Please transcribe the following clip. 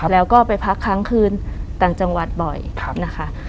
แล้วก็ไปพักค้างคืนต่างจังหวัดบ่อยนะคะ